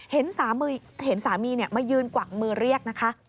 เห็นสามีมายืนกวักมือเรียกนะคะ